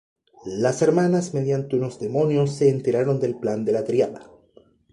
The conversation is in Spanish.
Las hermanas mediante unos demonios se enteraron del plan de La Triada.